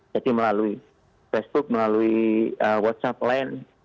jadi melalui facebook melalui whatsapp lain